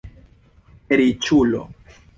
riĉulo